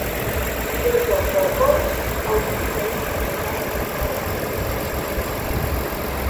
Des dels balcons, alguns veïns es van afegir a la protesta.